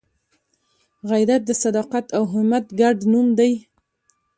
غیرت د صداقت او همت ګډ نوم دی